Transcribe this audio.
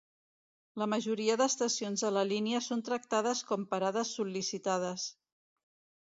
La majoria d"estacions de la línia són tractades com parades sol·licitades.